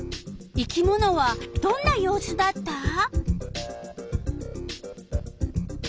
生き物はどんな様子だった？